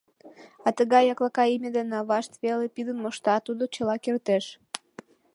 А тыгай яклака име дене авашт веле пидын мошта — тудо чыла кертеш.